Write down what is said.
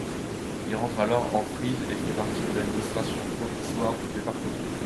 Il rentre alors en Frise et fait partie de l'administration provisoire du département.